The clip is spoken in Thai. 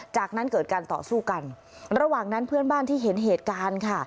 จากนั้นเกิดการต่อสู้กันระหว่างนั้นเพื่อนบ้านที่เห็นเหตุการณ์ค่ะ